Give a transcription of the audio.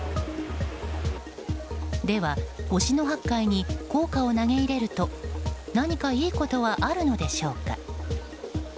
では、忍野八海に硬貨を投げ入れると何かいいことはあるのでしょうか。